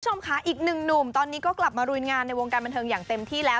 คุณผู้ชมค่ะอีกหนึ่งหนุ่มตอนนี้ก็กลับมาลุยงานในวงการบันเทิงอย่างเต็มที่แล้ว